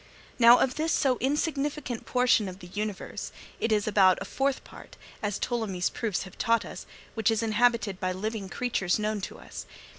Now, of this so insignificant portion of the universe, it is about a fourth part, as Ptolemy's proofs have taught us, which is inhabited by living creatures known to us.